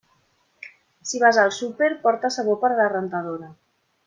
Si vas al súper, porta sabó per a la rentadora.